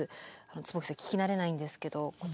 坪木さん聞き慣れないんですけどこちら。